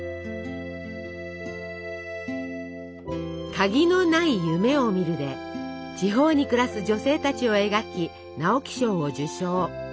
「鍵のない夢を見る」で地方に暮らす女性たちを描き直木賞を受賞。